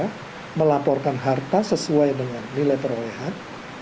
kita melaporkan harta sesuai dengan nilai perolehan